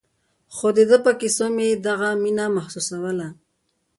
خو د ده په کيسو مې دغه مينه محسوسوله.